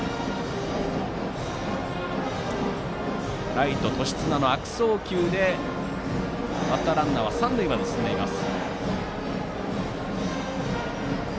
ライト、年綱の悪送球でバッターランナーは三塁まで進んでいます。